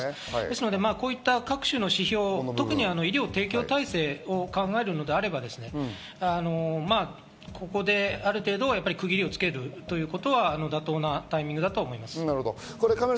こういった各指標、特に医療提供体制を考えるのであれば、ここである程度区切りをつけるということは妥当なタイミングだと思います。